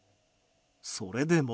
それでも。